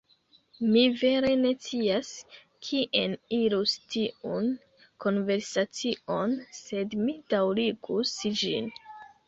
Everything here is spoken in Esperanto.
Mi vere ne scias kien irus tiun konversacion, sed mi daŭrigus ĝin.